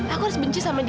aku harus benci sama dia